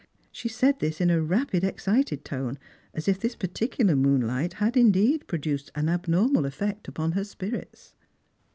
She said this in a rapid excited tone, as if this particular moonlight had indeed produced an abnormal effect upon her spirits.